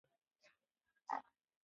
نجلۍ په سوات کې اوسیده.